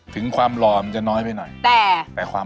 เติมรสจืก่ะ